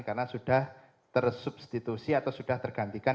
karena sudah tersubstitusi atau sudah tergantikan